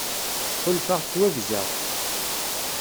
Ḥulfaɣ ttwaggzeɣ.